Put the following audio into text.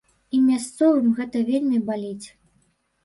І мясцовым гэта вельмі баліць.